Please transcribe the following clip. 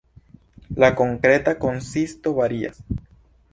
La konkreta konsisto varias.